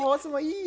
いい！